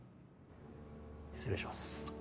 失礼します。